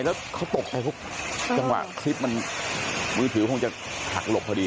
แล้วเขาตกไปเพราะจังหวะคลิปมันมือถือคงจะหักหลบพอดี